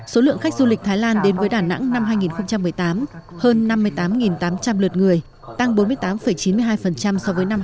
số lượng khách du lịch thái lan đến với đà nẵng năm hai nghìn một mươi tám hơn năm mươi tám tám trăm linh lượt người tăng bốn mươi tám chín mươi hai so với năm hai nghìn một mươi